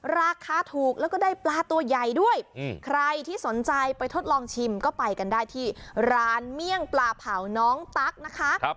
ราคาถูกแล้วก็ได้ปลาตัวใหญ่ด้วยใครที่สนใจไปทดลองชิมก็ไปกันได้ที่ร้านเมี่ยงปลาเผาน้องตั๊กนะคะ